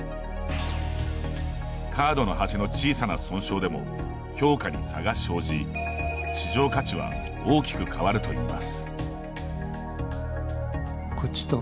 カードの端の小さな損傷でも評価に差が生じ市場価値は大きく変わるといいます。